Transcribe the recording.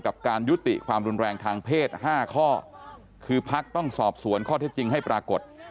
การยุติความรุนแรงทางเพศ๕ข้อคือพักต้องสอบสวนข้อเท็จจริงให้ปรากฏ